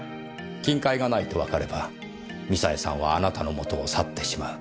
金塊がないとわかればミサエさんはあなたのもとを去ってしまう。